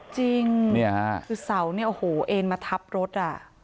จริงคือเสาเนี่ยโอ้โหเอ็นมาทับรถอ่ะ